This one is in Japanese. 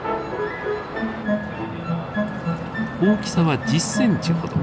大きさは１０センチほど。